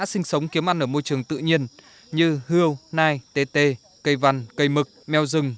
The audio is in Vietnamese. sinh sống kiếm ăn ở môi trường tự nhiên như hưu nai tê tê cây văn cây mực meo rừng